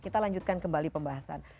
kita lanjutkan kembali pembahasan